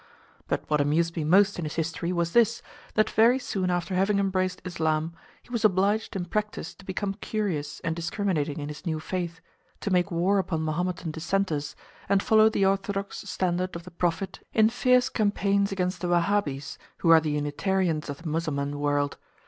But what amused me most in his history was this, that very soon after having embraced Islam he was obliged in practice to become curious and discriminating in his new faith, to make war upon Mahometan dissenters, and follow the orthodox standard of the Prophet in fierce campaigns against the Wahabees, who are the Unitarians of the Mussulman world.